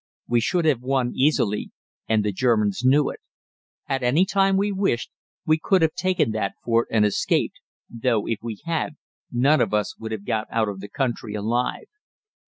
We should have won easily and the Germans knew it. At any time we wished, we could have taken that fort and escaped, though if we had, none of us would have got out of the country alive.